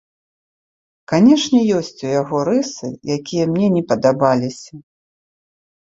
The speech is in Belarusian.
Канечне, ёсць у яго рысы, якія мне не падабаліся.